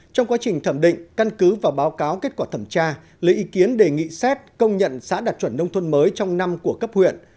trong quá trình thẩm định căn cứ và báo cáo kết quả thẩm tra lấy ý kiến đề nghị xét công nhận xã đạt chuẩn nông thôn mới trong năm của cấp huyện